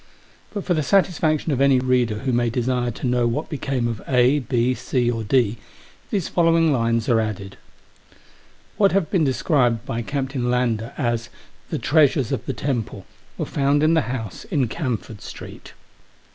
But for the satis faction of any reader who may desire to know what became of A, B, C, or D, these following lines are added. What have been described by Captain Lander as " the treasures of the temple " were found in the house in Camford Street.